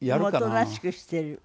おとなしくしてる。